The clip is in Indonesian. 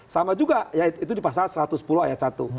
sama juga di pasal satu ratus sepuluh ayat satu